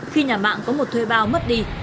khi nhà mạng có một thuê bao mất đi